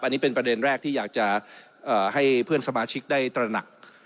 อันนี้เป็นประเด็นแรกที่อยากจะให้เพื่อนสมาชิกได้ตระหนัก